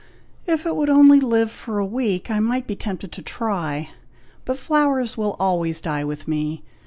"If it would only live for a week, I might be tempted to try; but flowers will always die with me.